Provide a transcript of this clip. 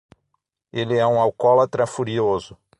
Ele é um alcoólatra furioso.